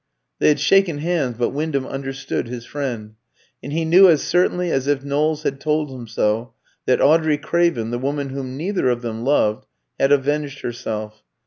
They had shaken hands; but Wyndham understood his friend, and he knew as certainly as if Knowles had told him so that Audrey Craven, the woman whom neither of them loved, had avenged herself.